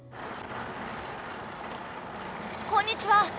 こんにちは。